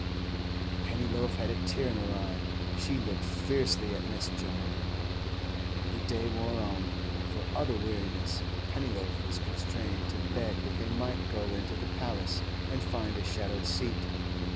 Pennyloaf had a tear in her eye; she looked fiercely at Miss Jollop. The day wore on. For utter weariness Pennyloaf was constrained to beg that they might go into the 'Paliss' and find a shadowed seat.